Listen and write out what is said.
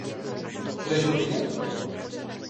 Budeš ho vidět?